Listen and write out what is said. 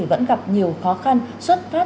vẫn gặp nhiều khó khăn xuất phát